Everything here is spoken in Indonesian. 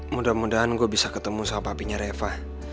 mudah mudahan gue bisa ketemu sahabat papinya reva